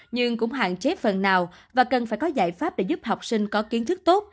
nhưng cũng hạn chế phần nào và cần phải có giải pháp để giúp học sinh có kiến thức tốt